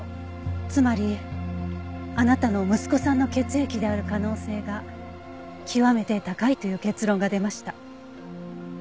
つまりあなたの息子さんの血液である可能性が極めて高いという結論が出ました。